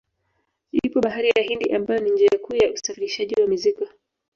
Ipo bahari ya Hindi ambayo ni njia kuu ya usafirishaji wa mizigo